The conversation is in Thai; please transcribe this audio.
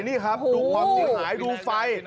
ดูความสิ่งหายดูไฟ